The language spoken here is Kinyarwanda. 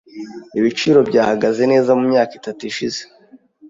Ibiciro byahagaze neza mumyaka itatu ishize.